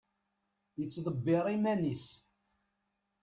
Yettdebbir iman-is.